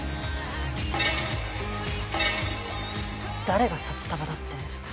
誰が札束だって？